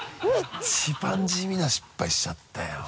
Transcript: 一番地味な失敗しちゃったよ。